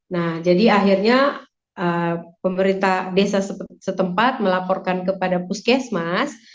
nah jadi akhirnya pemerintah desa setempat melaporkan kepada puskesmas